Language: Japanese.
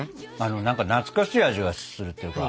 何か懐かしい味がするっていうか。